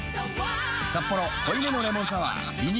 「サッポロ濃いめのレモンサワー」リニューアル